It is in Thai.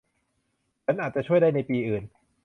ฉันอาจจะช่วยได้ในปีอื่น